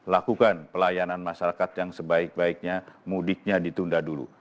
lakukan pelayanan masyarakat yang sebaik baiknya mudiknya ditunda dulu